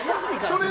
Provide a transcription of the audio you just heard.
それ！